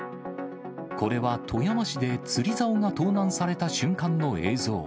これは富山市で釣りざおが盗難された瞬間の映像。